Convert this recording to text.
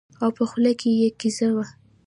او په خوله کې يې قیضه وي